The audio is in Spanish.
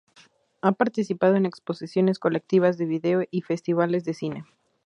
Ha participado en exposiciones colectivas de video y festivales de cine.